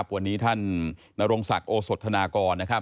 วันนี้ท่านนรงศักดิ์โอสธนากร